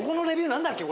何だっけ？